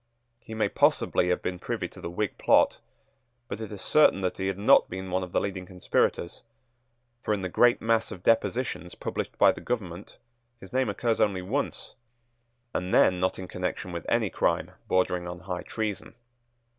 He may possibly have been privy to the Whig plot; but it is certain that he had not been one of the leading conspirators; for, in the great mass of depositions published by the government, his name occurs only once, and then not in connection with any crime bordering on high treason.